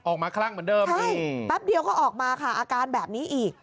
คลั่งเหมือนเดิมแป๊บเดียวก็ออกมาค่ะอาการแบบนี้อีก